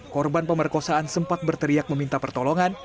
korban pemerkosaan sempat berteriak meminta pertolongan